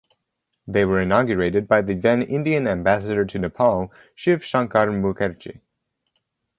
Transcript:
They were inaugurated by the then Indian ambassador to Nepal Shiv Shankar Mukherjee.